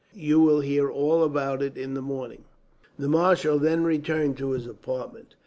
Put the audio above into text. You will hear all about it, in the morning." The marshal then returned to his apartment.